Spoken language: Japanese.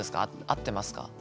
合ってますか？